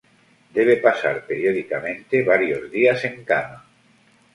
Debe pasar, periódicamente, varios días en cama.